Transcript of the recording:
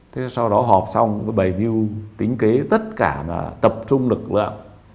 thế sau đó họp xong với bầy mưu tính kế tất cả là tập trung lực lượng